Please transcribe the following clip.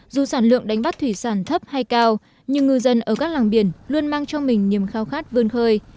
dù sản lượng đánh bắt thủy sản thấp hay cao nhưng ngư dân ở các làng biển luôn mang cho mình niềm khao khát vươn khơi